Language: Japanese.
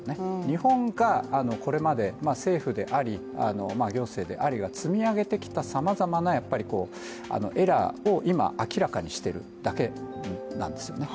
日本がこれまで政府であり、行政でありそこで積み上げてきたさまざまなエラーを今明らかにしているだけなんですよね。